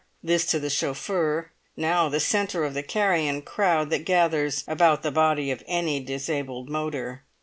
This to the chauffeur, now the centre of the carrion crowd that gathers about the body of any disabled motor.